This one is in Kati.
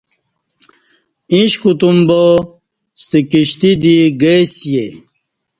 ایݩݜ کوتوم با ستہ کِشتی دی گئی سئے